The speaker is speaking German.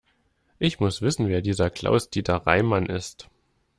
Ich muss wissen, wer dieser Klaus-Dieter Reimann ist.